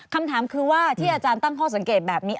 คำถามคือว่าที่อาจารย์ตั้งข้อสังเกตแบบนี้